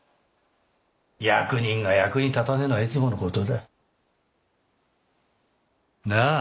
役人が役に立たねぇのはいつものことだなぁ？